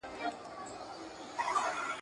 ښاماران مي تېروله !.